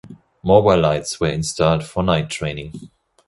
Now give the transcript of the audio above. Mobile lights were installed for night training.